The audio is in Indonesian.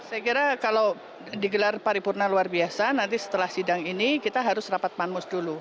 saya kira kalau digelar paripurna luar biasa nanti setelah sidang ini kita harus rapat panmus dulu